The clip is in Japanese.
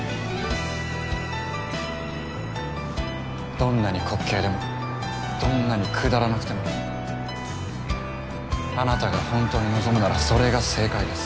どんなに滑稽でもどんなにくだらなくてもあなたがほんとに望むならそれが正解です。